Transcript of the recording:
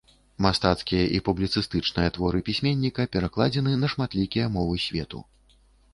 Мастацкія і публіцыстычныя творы пісьменніка перакладзены на шматлікія мовы свету.